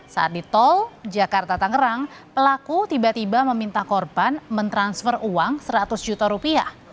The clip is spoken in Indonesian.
saat di tol jakarta tangerang pelaku tiba tiba meminta korban mentransfer uang seratus juta rupiah